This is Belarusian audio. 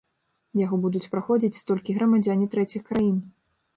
Яго будуць праходзіць толькі грамадзяне трэціх краін.